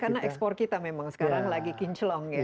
karena ekspor kita memang sekarang lagi kinclong ya